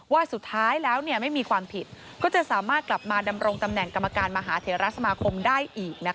ว่าสุดท้ายแล้วไม่มีความผิดก็จะสามารถกลับมาดำรงตำแหน่งกรรมการมหาเทราสมาคมได้อีก